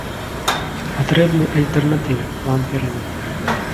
Патрэбны альтэрнатыўны план перамен.